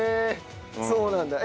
そうなんだ。